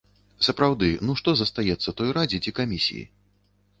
Сапраўды, ну што застаецца той радзе ці камісіі?